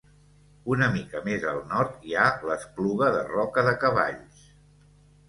Una mica més al nord hi ha l'Espluga de Roca de Cavalls.